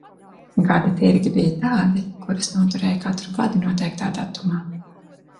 Gada tirgi bija tādi, kurus noturēja katru gadu noteiktā datumā.